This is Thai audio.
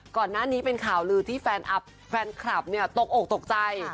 ก่อนหน้านี้เป็นข่าวลือที่แฟนคลับเนี่ยตกอกตกใจ